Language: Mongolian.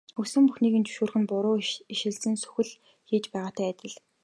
Хүссэн бүхнийг нь зөвшөөрөх нь буруу ишилсэн сүх л хийж байгаатай адил.